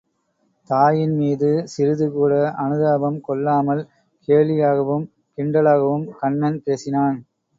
தாயின் மீது சிறிதுகூட அனுதாபம் கொள்ளாமல் கேலியாகவும், கிண்டலாகவும், கண்ணன் பேசினான்.